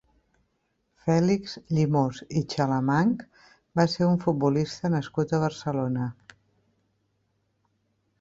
Fèlix Llimós i Chalamanch va ser un futbolista nascut a Barcelona.